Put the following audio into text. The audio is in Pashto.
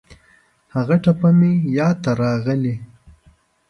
هغه ټپه مې یاد ته راغلې.